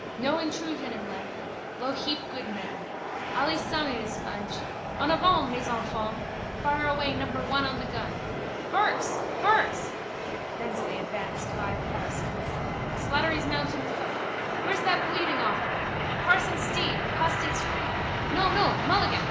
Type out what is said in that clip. No hentrusion in life. Lou heap good man. Allee samee dis bunch. En avant, mes enfants! Fire away number one on the gun. Burke's! Burke's! Thence they advanced five parasangs. Slattery's mounted foot. Where's that bleeding awfur? Parson Steve, apostates' creed! No, no, Mulligan!